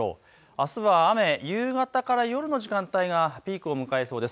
あすは雨、夕方から夜の時間帯がピークを迎えそうです。